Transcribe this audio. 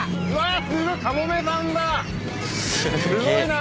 すごいな。